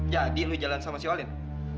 jadi lu jalan sama si olin